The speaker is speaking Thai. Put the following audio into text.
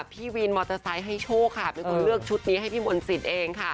พี่วินมอเตอร์ไซค์ให้โชคค่ะเป็นคนเลือกชุดนี้ให้พี่มนต์สิทธิ์เองค่ะ